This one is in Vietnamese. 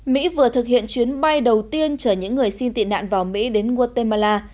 mỹ vừa thực hiện chuyến bay đầu tiên chở những người xin tị nạn vào mỹ đến guatemala